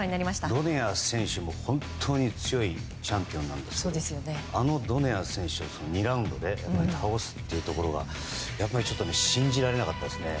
ドネア選手も本当に強いチャンピオンなんですけどあのドネア選手を２ラウンドで倒すというのがやっぱり信じられなかったですね。